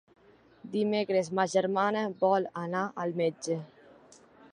Dimecres ma germana vol anar al metge.